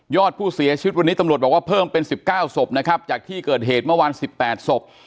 อดผู้เสียชีวิตวันนี้ตำรวจบอกว่าเพิ่มเป็น๑๙ศพนะครับจากที่เกิดเหตุเมื่อวาน๑๘ศพ